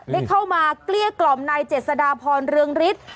ได้เข้ามาเกลี้ยกล่อมนายเจษฎาพรเรืองฤทธิ์